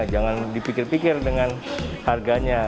jangan dipikir pikir dengan harganya